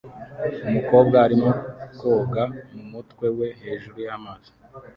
Umukobwa arimo koga n'umutwe we hejuru y'amazi